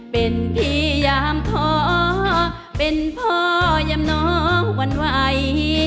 เป็นพี่ยามท้อเป็นพ่อยำน้องวันไหว